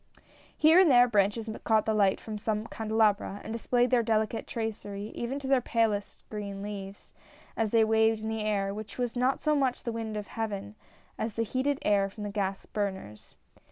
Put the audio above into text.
Here and there, branches caught the light from some candelabra and displayed their delicate tracery even to their palest green leaves, as they waved in the air, which was not so much the wind of Heaven, as the heated air from the gas burners.